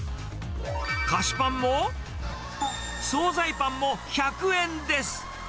菓子パンも、総菜パンも１００円です。